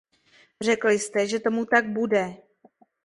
Řekl jste, že tomu tak bude.